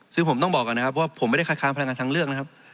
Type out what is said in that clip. ซึ่งผมต้องบอกก่อนนะครับว่าผมไม่ได้คัดค้างพลังงานทางเลือกนะครับ